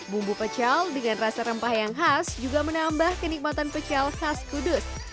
bumbu pecel dengan rasa rempah yang khas juga menambah kenikmatan pecel khas kudus